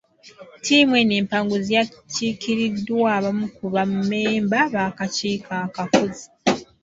Tiimu eno empanguzi yakiikiriddwa abamu ku ba Memba b'akakiiko akafuzi.